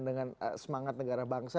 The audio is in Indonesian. dengan semangat negara bangsa